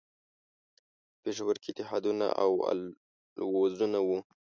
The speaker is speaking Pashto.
په پېښور کې اتحادونه او لوزونه وو.